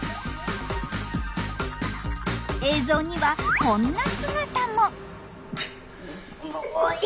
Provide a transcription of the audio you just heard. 映像にはこんな姿も！